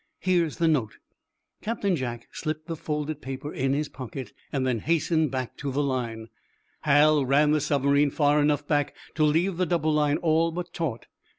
"Here's the note." Captain Jack slipped the folded paper in his pocket, then hastened back to the line. Hal ran the submarine far enough back to leave the double line all but taut.